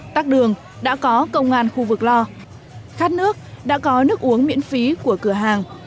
tắc đường đã có công an khu vực lo khát nước đã có nước uống miễn phí của cửa hàng